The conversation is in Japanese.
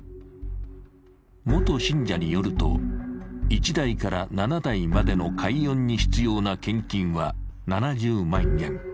元信者によると、１代から７代までの解怨に必要な献金は７０万円。